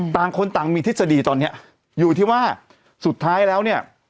ต่างคนต่างมีทฤษฎีตอนนี้อยู่ที่ว่าสุดท้ายแล้วเนี่ย